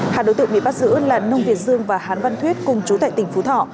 hạt đối tượng bị bắt giữ là nông việt dương và hán văn thuyết cùng chú tại tỉnh phú thọ